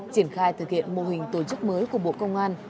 triển khai thực hiện mô hình tổ chức mới của bộ công an